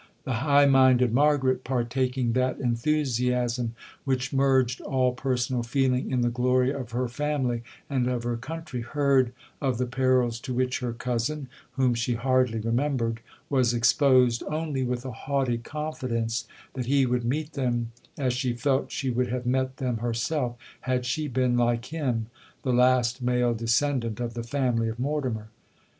The high minded Margaret, partaking that enthusiasm which merged all personal feeling in the glory of her family and of her country, heard of the perils to which her cousin (whom she hardly remembered) was exposed, only with a haughty confidence that he would meet them as she felt she would have met them herself, had she been, like him, the last male descendant of the family of Mortimer.